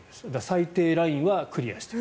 最低ラインはクリアしている。